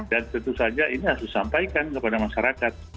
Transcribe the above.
dan tentu saja ini harus disampaikan kepada masyarakat